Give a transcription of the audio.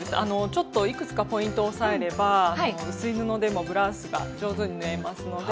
ちょっといくつかポイントを押さえれば薄い布でもブラウスが上手に縫えますので。